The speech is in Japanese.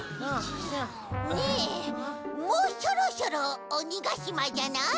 ねえもうそろそろおにがしまじゃない？